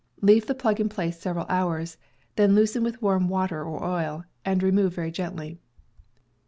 Leave the plug in place several hours; then loosen with warm water or oil, and remove very gently.